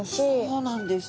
そうなんです。